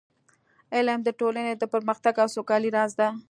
علم د ټولنې د پرمختګ او سوکالۍ راز دی.